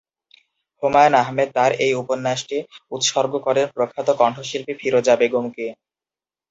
হুমায়ূন আহমেদ তার এই উপন্যাসটি উৎসর্গ করেন প্রখ্যাত কণ্ঠশিল্পী ফিরোজা বেগমকে।